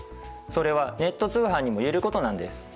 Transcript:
それはネット通販にも言えることなんです。